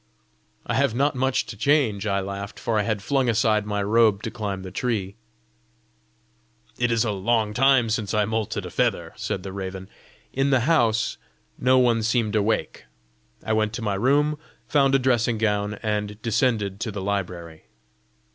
"I have not much to change!" I laughed; for I had flung aside my robe to climb the tree. "It is a long time since I moulted a feather!" said the raven. In the house no one seemed awake. I went to my room, found a dressing gown, and descended to the library.